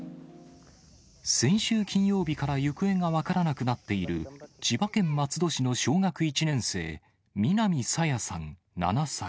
先週金曜日から行方が分からなくなっている、千葉県松戸市の小学１年生、南朝芽さん７歳。